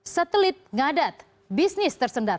satelit ngadat bisnis tersendat